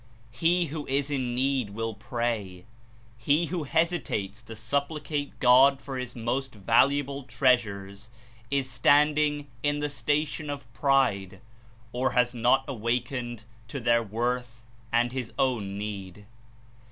He who is in need will pray. He who hesitates to supplicate God for his most valuable treasures Is standing In the station of pride, or has not awakened to their worth and his own need.